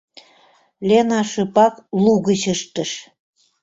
— Лена шыпак лугыч ыштыш.